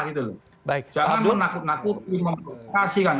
jangan lho nakut nakuti memprovokasikan